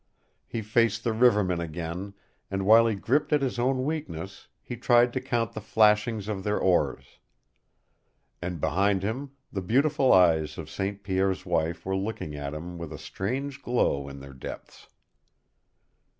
He faced the rivermen again, and while he gripped at his own weakness, he tried to count the flashings of their oars. And behind him, the beautiful eyes of St. Pierre's wife were looking at him with a strange glow in their depths.